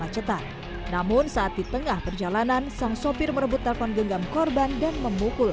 macetan namun saat di tengah perjalanan sang sopir merebut telepon genggam korban dan memukul